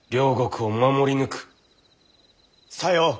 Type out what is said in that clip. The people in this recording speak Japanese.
さよう。